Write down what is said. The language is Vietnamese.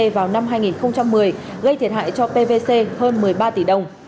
vào năm hai nghìn một mươi gây thiệt hại cho pvc hơn một mươi ba tỷ đồng